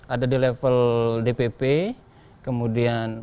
ada di level dpp kemudian